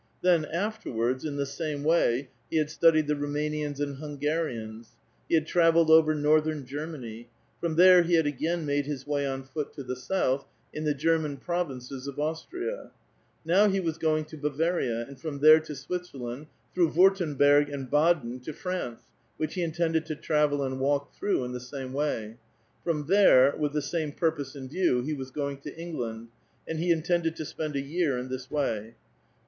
Then afterwards, in the same way, he had stud ied the Rumaniano and Hungarians. He had travelled over INorthern Germany ; from there he had again made his way %ytk foot to the South, in the German provinces of Austria. INow he was going to Bavaria, and from there to Switzer land, through Wurtemberg and Baden to France, which he intended to travel and walk throu srh in the same wav. From CI' ft. ^tJiere, with the same purix)se in view, he was going to Eng land ; and he intended to spend a year in this way.